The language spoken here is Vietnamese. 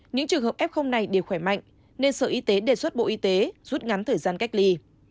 những trường hợp f này đều khỏe mạnh nên sở y tế đề xuất bộ y tế rút ngắn thời gian cách ly